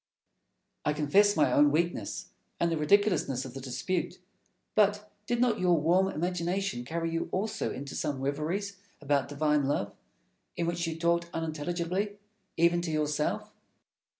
Fenelon. I confess my own weakness, and the ridiculousness of the dispute; but did not your warm imagination carry you also into some reveries about divine love, in which you talked unintelligibly, even to yourself?